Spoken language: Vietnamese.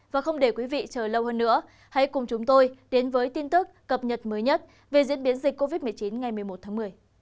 và không để quý vị chờ lâu hơn nữa hãy cùng chúng tôi đến với tin tức cập nhật mới nhất về diễn biến dịch covid một mươi chín ngày một mươi một tháng một mươi